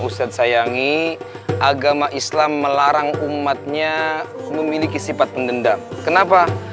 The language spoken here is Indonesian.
ustadz sayangi agama islam melarang umatnya memiliki sifat pendendam kenapa